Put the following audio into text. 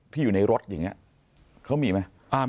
อยู่ในรถอย่างนี้เขามีไหม